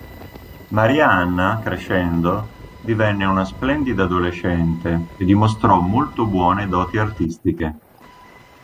Maria Anna crescendo divenne una splendida adolescente e dimostrò molto buone doti artistiche.